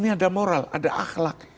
di sini ada moral ada akhlak